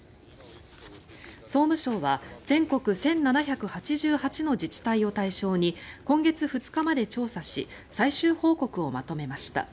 総務省は全国１７８８の自治体を対象に今月２日まで調査し最終報告をまとめました。